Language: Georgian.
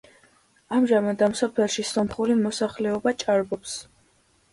ამჟამად ამ სოფელში სომხური მოსახლეობა ჭარბობს.